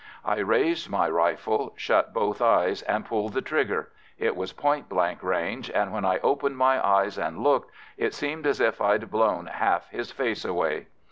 I raised my rifle, shut both eyes, and pulled the trigger it was point blank range, and when I opened my eyes and looked it seemed as if I'd blown half his face away.